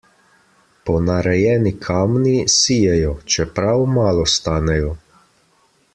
Ponarejeni kamni sijejo, čeprav malo stanejo.